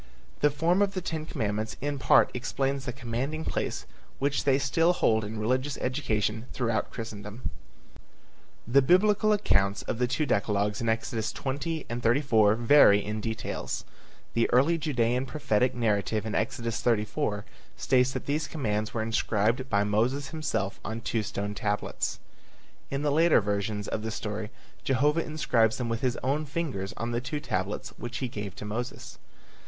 The form of the ten commandments in part explains the commanding place which they still hold in religious education throughout Christendom. The Biblical accounts of the two decalogues in Exodus 20 and 34 vary in details. The early Judean prophetic narrative in Exodus 34 states that these commands were inscribed by Moses himself on two stone tablets. In the later versions of the story Jehovah inscribes them with his own fingers on the two tablets which he gave to Moses.